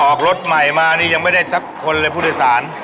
ออกรถใหม่มานี่ยังไม่ได้สักคนเลยผู้โดยสาร